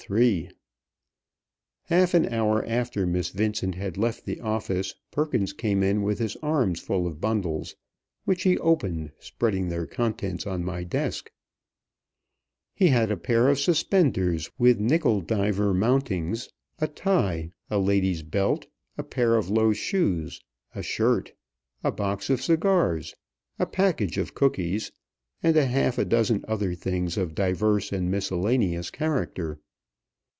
III. Half an hour after Miss Vincent had left the office, Perkins came in with his arms full of bundles, which he opened, spreading their contents on my desk. He had a pair of suspenders with nickeldiver mountings, a tie, a lady's belt, a pair of low shoes, a shirt, a box of cigars, a package of cookies, and a half a dozen other things of divers and miscellaneous character.